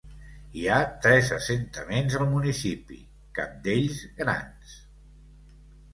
Hi ha tres assentaments al municipi, cap d'ells grans.